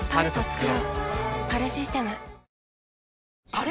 あれ？